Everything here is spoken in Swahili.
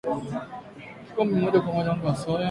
Kikombe moja cha unga wa soya